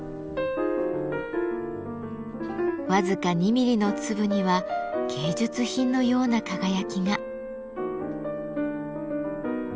僅か２ミリの粒には芸術品のような輝きが。